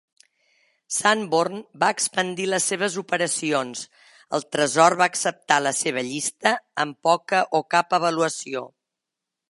Sanborn va expandir les seves operacions, el Tresor va acceptar la seva llista amb poca o cap avaluació.